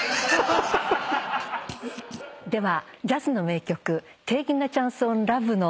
では。